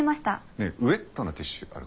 ねえウェットなティッシュある？